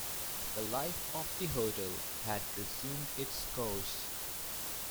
The life of the hotel had resumed its course.